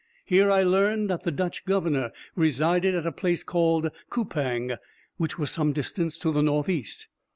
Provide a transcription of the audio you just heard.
Here I learned that the Dutch governor resided at a place called Coupang, which was some distance to the north east.